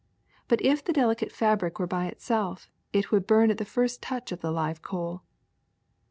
But if the delicate fabric were by itself, it would burn at the first touch of the live coal."